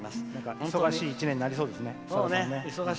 お忙しい一年になりそうですね。